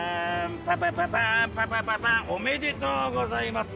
パパパパンパパパパンおめでとうございます。